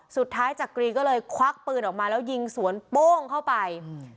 จากจักรีก็เลยควักปืนออกมาแล้วยิงสวนโป้งเข้าไปอืม